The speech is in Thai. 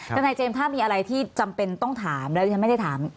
ทนายเจมส์ถ้ามีอะไรที่จำเป็นต้องถามแล้วที่ฉันไม่ได้ถาม